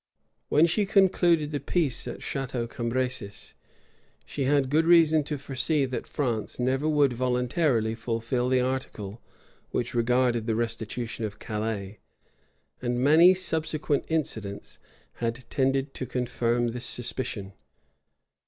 When she concluded the peace at Chateau Cambresis, she had good reason to foresee that France never would voluntarily fulfil the article which regarded the restitution of Calais; and many subsequent incidents had tended to confirm this suspicion.